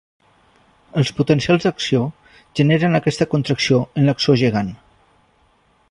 Els potencials d'acció generen aquesta contracció en l'axó gegant.